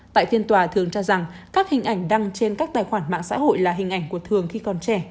tại phiên tòa thường cho rằng các hình ảnh đăng trên các tài khoản mạng xã hội là hình ảnh của thường khi còn trẻ